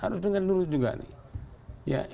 harus dengar dulu juga nih